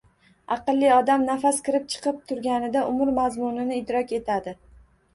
Aqlli odam nafas kirib-chiqib turganida umr mazmunini idrok etadi.